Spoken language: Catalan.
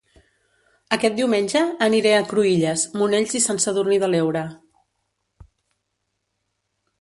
Aquest diumenge aniré a Cruïlles, Monells i Sant Sadurní de l'Heura